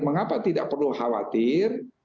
mengapa tidak perlu khawatir